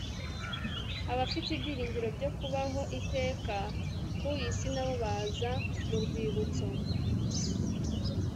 abafite ibyiringiro byo kubaho iteka ku isi na bo baza mu rwibutso